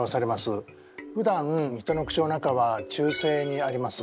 ふだん人の口の中は中性にあります。